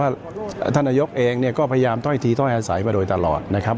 ท่านนายกเองเนี่ยก็พยายามถ้อยทีถ้อยอาศัยมาโดยตลอดนะครับ